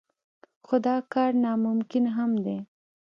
خو دا کار ناممکن هم نه دی.